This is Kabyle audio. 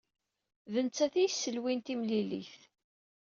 D nettat ay yesselwin timlilit.